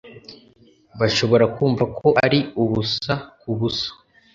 bashobora kumva ko ari ubusa kubusa